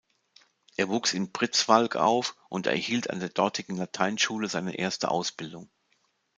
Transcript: Er wuchs in Pritzwalk auf und erhielt an der dortigen Lateinschule seine erste Ausbildung.